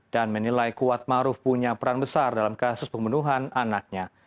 dan menilai kuat maruf punya peran besar dalam kasus pembunuhan anaknya